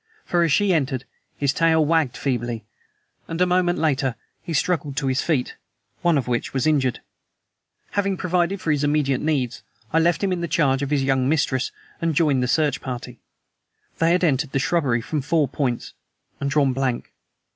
For, as she entered, his tail wagged feebly, and a moment later he struggled to his feet one of which was injured. Having provided for his immediate needs, I left him in charge of his young mistress and joined the search party. They had entered the shrubbery from four points and drawn blank.